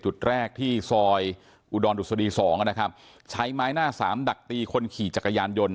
จุดแรกที่ซอยอุดรดุษฎีสองนะครับใช้ไม้หน้าสามดักตีคนขี่จักรยานยนต์